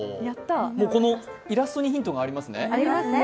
このイラストにヒントがありますね。